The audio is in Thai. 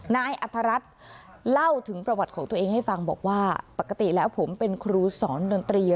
นายอัธรัฐเล่าถึงประวัติของตัวเองให้ฟังบอกว่าปกติแล้วผมเป็นครูสอนดนตรี